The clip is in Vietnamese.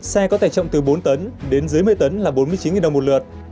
xe có tài trọng từ bốn tấn đến dưới một mươi tấn là bốn mươi chín đồng một lượt